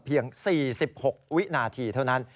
เพียง๔๖วินาทีเท่านั้น